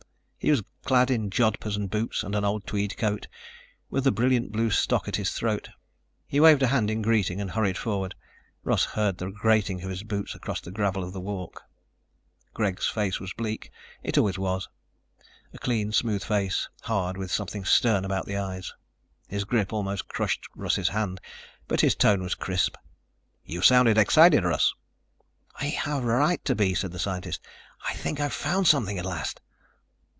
He was clad in jodhpurs and boots and an old tweed coat, with a brilliant blue stock at his throat. He waved a hand in greeting and hurried forward. Russ heard the grating of his boots across the gravel of the walk. Greg's face was bleak; it always was. A clean, smooth face, hard, with something stern about the eyes. His grip almost crushed Russ's hand, but his tone was crisp. "You sounded excited, Russ." "I have a right to be," said the scientist. "I think I have found something at last."